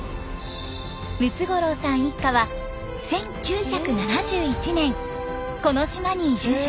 ムツゴロウさん一家は１９７１年この島に移住しました。